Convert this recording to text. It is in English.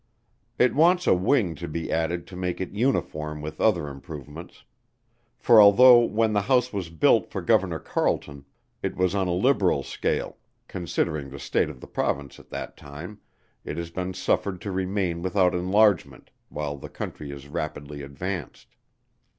It wants a wing to be added to make it uniform with other improvements: for although when the house was built for Governor CARLETON it was on a liberal scale, considering the state of the Province at that time, it has been suffered to remain without enlargement, while the country has rapidly advanced.